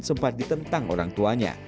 sempat ditentang orang tuanya